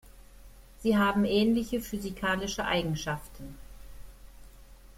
Sie haben ähnliche physikalische Eigenschaften.